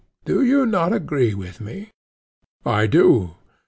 Do you not agree with me? I do.